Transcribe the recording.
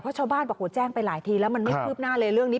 เพราะชาวบ้านบอกโหแจ้งไปหลายทีแล้วมันไม่คืบหน้าเลยเรื่องนี้